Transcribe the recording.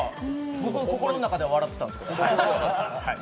僕、心の中では笑ってたんですけど。